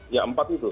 ya empat itu